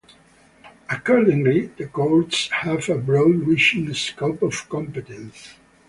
Accordingly, the courts have a broad reaching scope of competence.